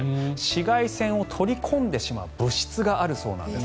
紫外線を取り込んでしまう物質があるそうなんです。